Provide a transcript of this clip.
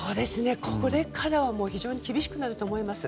これからは非常に厳しくなると思います。